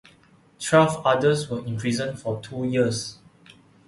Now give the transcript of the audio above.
Twelve others were imprisoned for two years.